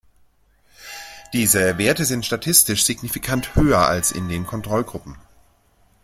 Diese Werte sind statistisch signifikant höher als in den Kontrollgruppen.